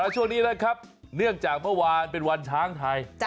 ช่วงนี้นะครับเนื่องจากเมื่อวานเป็นวันช้างไทย